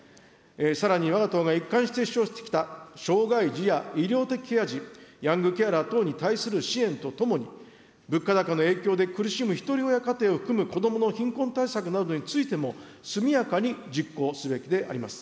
さらにわが党が一貫して主張してきた障がい児や医療的ケア児、ヤングケアラー等に対する支援とともに、物価高の影響で苦しむひとり親家庭を含む子どもの貧困対策などについても、速やかに実行すべきであります。